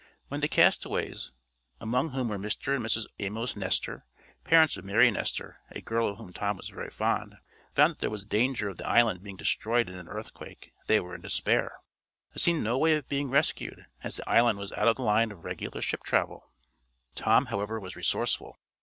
When the castaways (among whom were Mr. and Mrs. Amos Nestor, parents of Mary Nestor, a girl of whom Tom was very fond) found that there was danger of the island being destroyed in an earthquake, they were in despair. There seemed no way of being rescued, as the island was out of the line of regular ship travel. Tom, however, was resourceful.